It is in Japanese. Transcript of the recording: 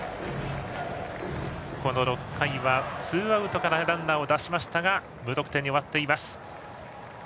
６回はツーアウトからランナーを出しましたが無得点に終わっています。